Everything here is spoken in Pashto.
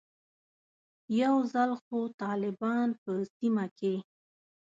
یو ځل خو طالبان په سیمه کې.